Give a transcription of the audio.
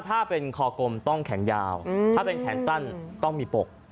ถ้าเป็นคอกลมต้องแขนยาวถ้าเป็นแขนสั้นต้องมีปก